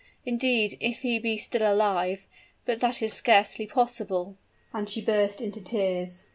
Indeed, if he be still alive but that is scarcely possible " And she burst into tears.